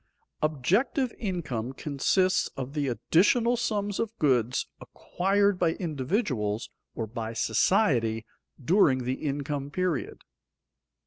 _Objective income consists of the additional sums of goods acquired by individuals or by society during the income period.